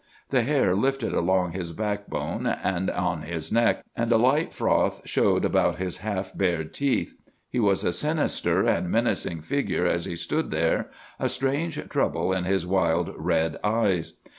The hair lifted along his back bone and on his neck, and a light froth showed about his half bared teeth. He was a sinister and menacing figure as he stood there, a strange trouble in his wild, red eyes.